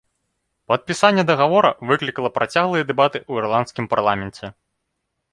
Падпісанне дагавора выклікала працяглыя дэбаты ў ірландскім парламенце.